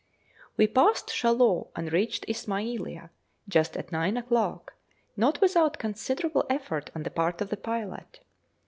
We passed Chaloux and reached Ismailia just at nine o'clock, not without considerable effort on the part of the pilot.